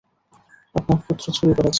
আপনার পুত্র চুরি করেছে।